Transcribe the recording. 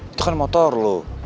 itu kan motor loh